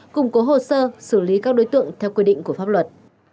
củng cố hồ sơ xử lý các đối tượng theo quy định của pháp luật